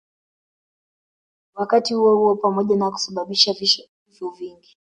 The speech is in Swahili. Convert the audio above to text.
Wakati huohuo pamoja na kusababisha vifo vingi